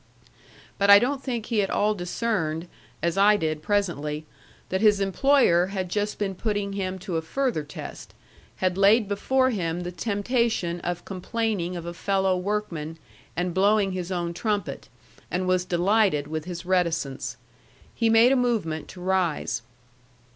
But I don't think he at all discerned as I did presently that his employer had just been putting him to a further test, had laid before him the temptation of complaining of a fellow workman and blowing his own trumpet, and was delighted with his reticence. He made a movement to rise.